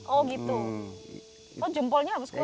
oh jempolnya harus kutuk